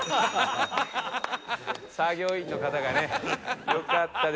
「」「作業員の方がね。よかったです